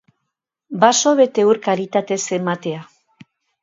Basoa bete ur karitatez ematea.